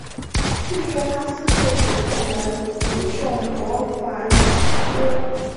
据说他四岁时便能吟诵薄伽梵歌。